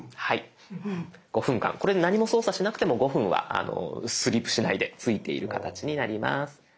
５分間これで何も操作しなくても５分はスリープしないでついている形になります。